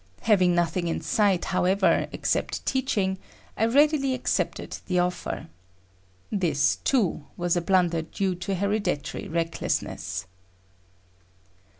Having nothing in sight, however, except teaching, I readily accepted the offer. This too was a blunder due to hereditary recklessness.